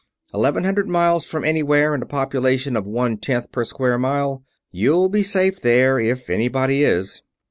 Eleven hundred miles from anywhere and a population of one tenth per square mile you'll be safe there if anybody is."